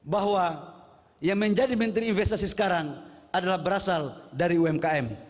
bahwa yang menjadi menteri investasi sekarang adalah berasal dari umkm